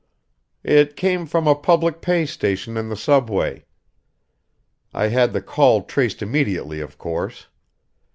"It came from a public pay station in the subway. I had the call traced immediately, of course.